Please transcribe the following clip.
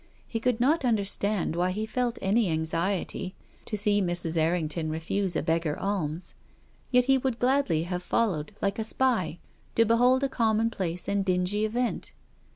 He could not understand why he felt any anxiety to see Mrs. Errington refuse a beggar alms. Yet he would gladly have followed, like a spy, to behold a commonplace and dingy event.